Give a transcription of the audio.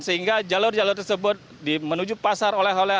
sehingga jalur jalur tersebut menuju pasar oleh oleh